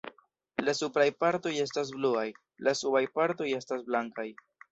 La supraj partoj esta bluaj; la subaj partoj estas blankaj.